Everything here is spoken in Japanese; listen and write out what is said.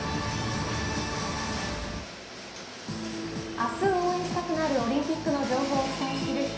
明日応援したくなるオリンピックの情報をお伝えする「＃